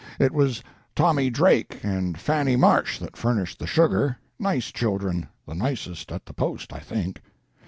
It was Tommy Drake and Fanny Marsh that furnished the sugar—nice children, the nicest at the post, I think.